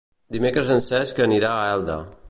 Dimecres en Cesc anirà a Elda.